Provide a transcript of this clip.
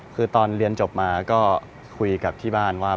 คือตอนเรียนจบมาก็คุยกับที่บ้านว่า